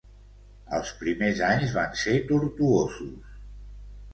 Els primers anys van ser tortuosos.